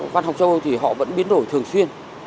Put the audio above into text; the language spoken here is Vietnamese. văn học châu âu thì họ vẫn biến đổi thường xuyên